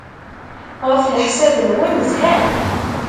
Ɣef leḥsab-nwen, zhan?